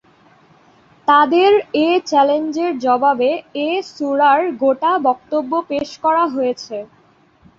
তাদের এ চ্যালেঞ্জের জবাবে এ সূরার গোটা বক্তব্য পেশ করা হয়েছে।